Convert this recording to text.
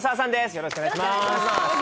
よろしくお願いします